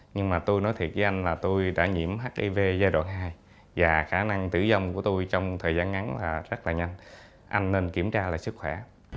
nhưng mà tôi nói thiệt với anh là tôi đã nhiễm hiv giai đoạn hai và khả năng tử vong của tôi trong thời gian ngắn là rất là nhanh anh nên kiểm tra lại sức khỏe